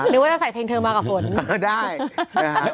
นึกว่าจะใส่เพลงเธอมากกว่าฝน